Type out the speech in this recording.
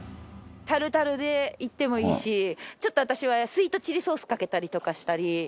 タルタルでいってもいいしちょっと私はスイートチリソースかけたりとかしたり。